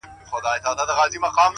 په ښه سترګه نه کتل کېږي